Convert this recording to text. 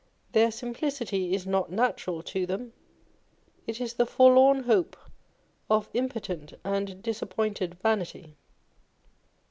Their simplicity is not natural to them : it is the forlorn hope of impotent and disappointed vanity.